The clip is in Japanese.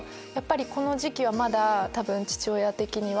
この時期はまだ父親的には。